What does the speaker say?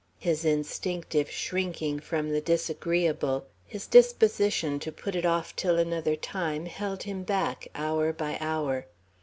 His instinctive shrinking from the disagreeable, his disposition to put off till another time, held him back, hour by hour.